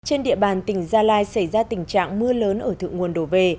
trên địa bàn tỉnh gia lai xảy ra tình trạng mưa lớn ở thượng nguồn đổ về